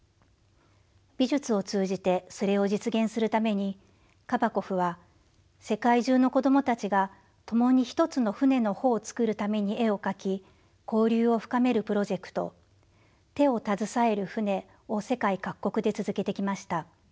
美術を通じてそれを実現するためにカバコフは世界中の子供たちが共に一つの船の帆を作るために絵を描き交流を深めるプロジェクト「手をたずさえる船」を世界各国で続けてきました。